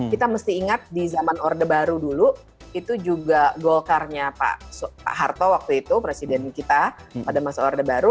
kita mesti ingat di zaman orde baru dulu itu juga golkarnya pak harto waktu itu presiden kita pada masa orde baru